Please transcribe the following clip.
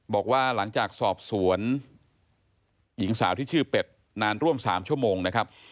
บอกว่าหลังจากสอบสวนหญิงสาวที่ชื่อเป็ดนานร่วม๓ชั่วโมงนะครับ